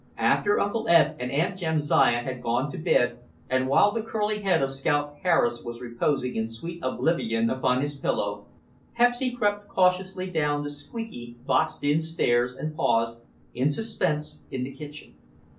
After Uncle Eb and Aunt Jamsiah had gone to bed and while the curly head of Scout Harris was reposing in sweet oblivion upon his pillow, Pepsy crept cautiously down the squeaky, boxed in stairs and paused, in suspense, in the kitchen.